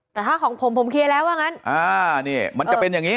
แต่ถ้าของผมผมเคลียร์แล้วว่างั้นอ่านี่มันจะเป็นอย่างนี้